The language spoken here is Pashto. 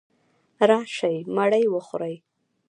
راشئ مړې وخورئ.